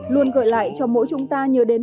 luôn gợi lại cho mỗi chúng ta nhớ đến